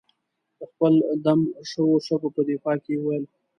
د خپلو دم شوو شګو په دفاع کې یې وویل.